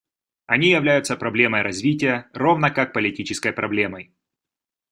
Они являются проблемой развития, равно как политической проблемой».